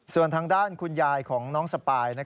แทรกจับเขามาลงโทษให้ได้